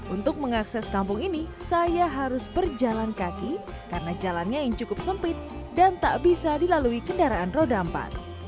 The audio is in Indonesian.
untuk mengakses kampung ini saya harus berjalan kaki karena jalannya yang cukup sempit dan tak bisa dilalui kendaraan roda empat